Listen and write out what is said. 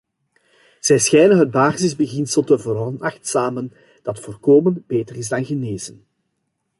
Zij schijnen het basisbeginsel te veronachtzamen dat voorkomen beter is dan genezen.